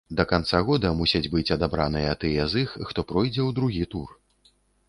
Да канца года мусяць быць адабраныя тыя з іх, хто пройдзе ў другі тур.